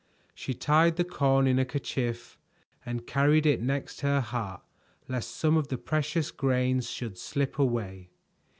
She tied the corn in a kerchief and carried it next her heart lest some of the precious grains should slip away.